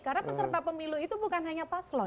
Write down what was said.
karena peserta pemilu itu bukan hanya paslon